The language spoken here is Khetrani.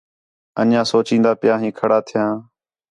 انڄیاں سوچین٘دا پِیاں ہیں کھڑا تِھیاں